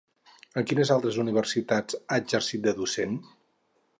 En quines altres universitats ha exercit de docent?